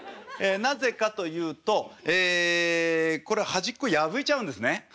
なぜかというとえこれ端っこ破いちゃうんですね。